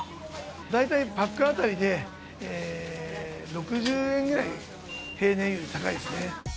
大体パック当たりで６０円ぐらい、平年より高いですね。